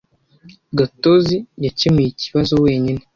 Gatozi yakemuye ikibazo wenyine.